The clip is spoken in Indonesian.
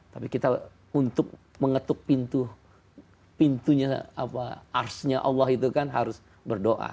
tapi kita untuk mengetuk pintunya arsnya allah itu kan harus berdoa